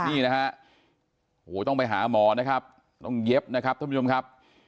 นี่นะฮะโอ้โหต้องไปหาหมอนะครับต้องเย็บนะครับท่านผู้ชมครับ